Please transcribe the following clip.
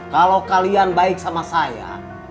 kalau kalian baik sama saya